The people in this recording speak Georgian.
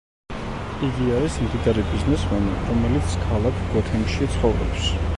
იგი არის მდიდარი ბიზნესმენი, რომელიც ქალაქ გოთემში ცხოვრობს.